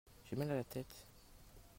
J'ai mal à la tête.